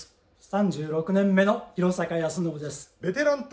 ３６年目の広坂安伸です。